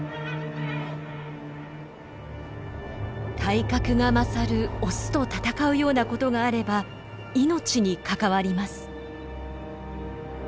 体格が勝るオスと戦うようなことがあれば命に関わります。